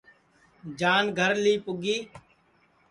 جان گھر لی پُگی